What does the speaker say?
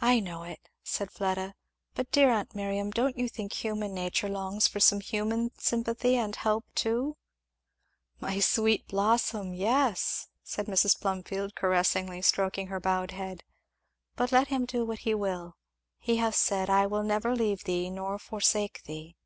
"I know it," said Fleda; "but dear aunt Miriam, don't you think human nature longs for some human sympathy and help too?" "My sweet blossom! yes " said Mrs. Plumfield caressingly stroking her bowed head, "but let him do what he will; he hath said, 'I will never leave thee nor forsake thee.'"